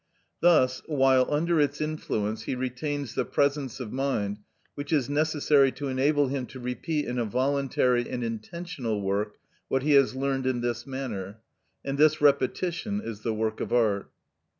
Thus, while under its influence he retains the presence of mind which is necessary to enable him to repeat in a voluntary and intentional work what he has learned in this manner; and this repetition is the work of art.